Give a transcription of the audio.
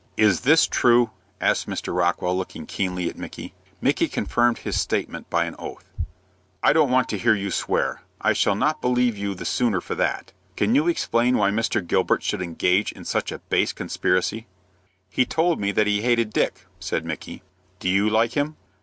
"Is this true?" asked Mr. Rockwell, looking keenly at Micky. Micky confirmed his statement by an oath. "I don't want you to swear. I shall not believe you the sooner for that. Can you explain why Mr. Gilbert should engage in such a base conspiracy?" "He told me that he hated Dick," said Micky. "Do you like him?"